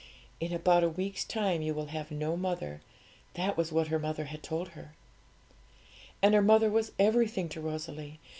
'In about a week's time you will have no mother;' that was what her mother had told her. And her mother was everything to Rosalie.